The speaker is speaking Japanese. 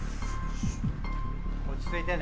落ち着いてね。